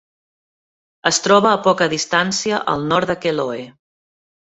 Es troba a poca distància al nord de Kelloe.